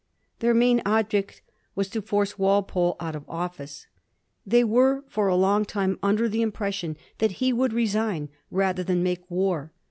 Their main object was to force Wal pole out of office. They were for a long time under the impression that he would resign rather than make war.